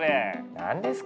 何ですか